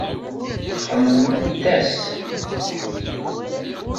Xemmememt-as.